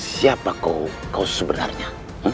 siapa kau sebenarnya